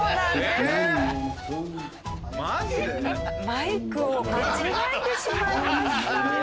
マイクを間違えてしまいました！